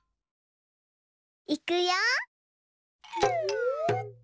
いくよ！